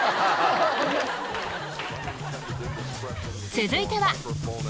続いては。